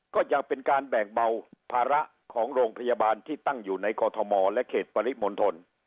ก็ยังเป็นการแบ่งเบาภาระของโรงพยาบาลที่ตั้งอยู่ในกรทมและเขตปริมณฑล